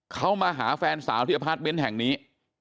เขามาหาแฟนสาวธิพราชเบนท์แห่งนี้